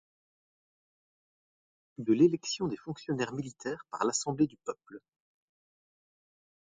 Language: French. De l'élection des fonctionnaires militaires par l'Assemblée du peuple.